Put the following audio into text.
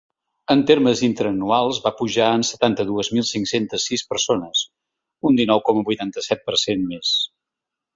En termes interanuals va pujar en setanta-dues mil cinc-centes sis persones, un dinou coma vuitanta-set per cent més.